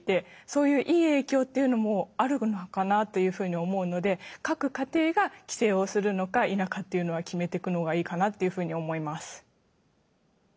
そういういい影響っていうのもあるのかなというふうに思うので各家庭が規制をするのか否かっていうのは決めてくのがいいかなっていうふうに思います。